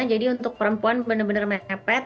untuk perempuan benar benar mepet